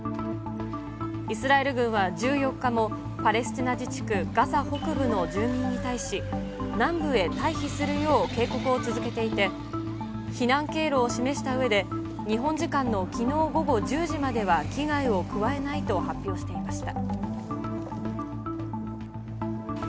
イスラエル軍は１４日も、パレスチナ自治区ガザ北部の住民に対し、南部へ退避するよう警告を続けていて、避難経路を示したうえで、日本時間のきのう午後１０時までは危害を加えないと発表していました。